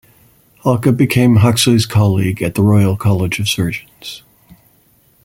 Hulke became Huxley's colleague at the Royal College of Surgeons.